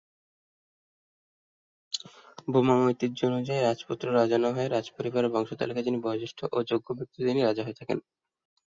বোমাং ঐতিহ্য অনুযায়ী রাজপুত্র রাজা না হয়ে রাজপরিবারের বংশতালিকায় যিনি বয়োজ্যেষ্ঠ ও যোগ্য ব্যক্তি তিনি রাজা হয়ে থাকেন।